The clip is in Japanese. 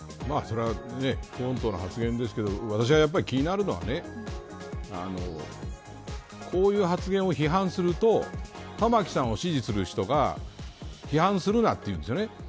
この発言ですが私が気になるのはこういう発言を批判すると玉城さんを支持する人が批判するなというんですよね。